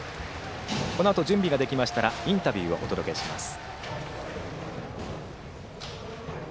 このあと準備ができましたらインタビューをお届けします。